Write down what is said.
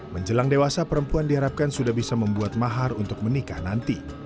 menjelang dewasa perempuan diharapkan sudah bisa membuat mahar untuk menikah nanti